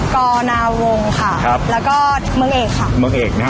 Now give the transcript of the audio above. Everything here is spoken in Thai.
กอนาวงค่ะ